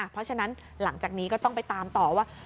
เพราะฉะนั้นหลังจากนี้ก็ต้องไปตามต่อว่า